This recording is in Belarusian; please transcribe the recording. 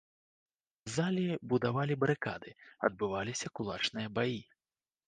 У залі будавалі барыкады, адбываліся кулачныя баі.